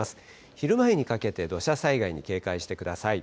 昼前にかけて土砂災害に警戒してください。